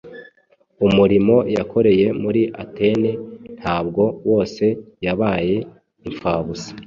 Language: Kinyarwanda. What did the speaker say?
Umurimo yakoreye muri Atene ntabwo wose yabaye impfabusa.